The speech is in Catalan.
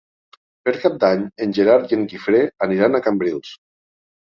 Per Cap d'Any en Gerard i en Guifré aniran a Cambrils.